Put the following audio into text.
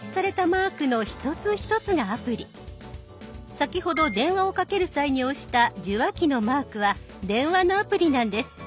先ほど電話をかける際に押した受話器のマークは電話のアプリなんです。